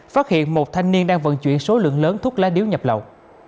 phát hiện một thanh niên đang vận chuyển số lượng lớn thuốc lá điếu nhập lậu